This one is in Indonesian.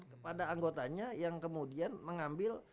kepada anggotanya yang kemudian mengambil